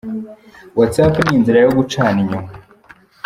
Whatsapp ni inzira yo gucana inyuma.